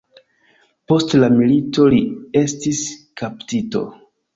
Post la milito li estis kaptito.